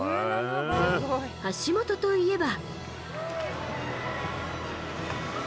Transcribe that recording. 橋本といえば。